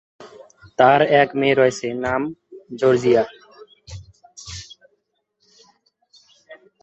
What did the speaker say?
তার এক মেয়ে রয়েছে, নাম জর্জিয়া।